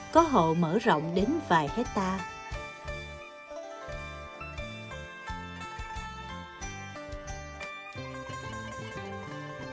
có hộ mở rộng đến vài hectare